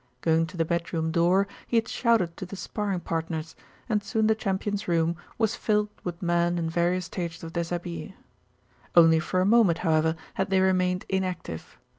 Going to the bedroom door, he had shouted to the sparring partners, and soon the champion's room was filled with men in various stages of déshabille. Only for a moment, however, had they remained inactive.